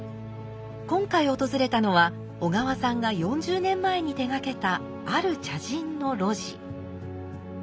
今回訪れたのは小河さんが４０年前に手がけたある茶人の露地。